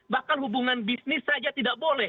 bahkan hubungan bisnis saja tidak boleh